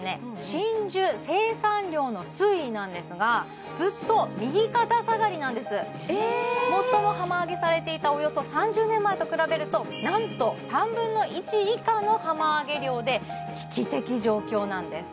真珠生産量の推移なんですがずっと右肩下がりなんです最も浜揚げされていたおよそ３０年前と比べるとなんと３分の１以下の浜揚げ量で危機的状況なんです